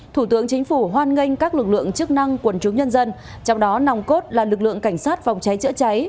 thủ tướng chính phủ hoan nghênh các lực lượng chức năng quần chúng nhân dân trong đó nòng cốt là lực lượng cảnh sát phòng cháy chữa cháy